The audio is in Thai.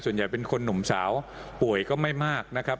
ส่วนใหญ่เป็นคนหนุ่มสาวป่วยก็ไม่มากนะครับ